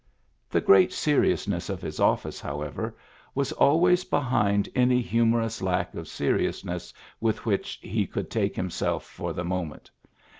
' The great seriousness of his office, however, was always behind any humorous lack of seriousness with which he could take himself for the moment.